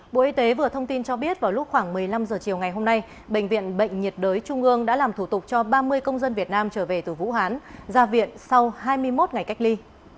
bộ y tế vừa thông tin cho biết vào lúc khoảng một mươi năm h chiều ngày hôm nay bệnh viện bệnh nhiệt đới trung ương đã làm thủ tục cho ba mươi công dân việt nam trở về từ vũ hán ra viện sau hai mươi một ngày cách ly